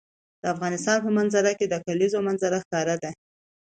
د افغانستان په منظره کې د کلیزو منظره ښکاره ده.